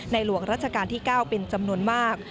หลวงราชการที่๙เป็นจำนวนมาก